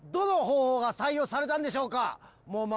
どの方法が採用されたんでしょうか。